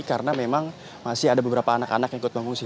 karena memang masih ada beberapa anak anak yang ikut pengungsi